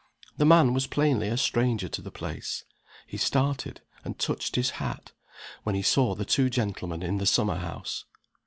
The man was plainly a stranger to the place. He started, and touched his hat, when he saw the two gentlemen in the summer house.